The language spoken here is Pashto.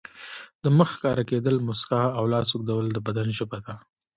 د مخ ښکاره کېدل، مسکا او لاس اوږدول د بدن ژبه ده.